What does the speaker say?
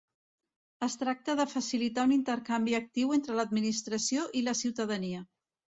Es tracta de facilitar un intercanvi actiu entre l'Administració i la ciutadania.